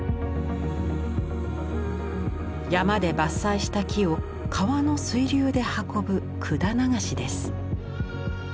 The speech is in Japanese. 山で伐採した木を川の水流で運ぶ「管流し」です。